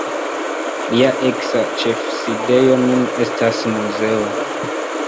Lia eksa ĉefsidejo nun estas muzeo.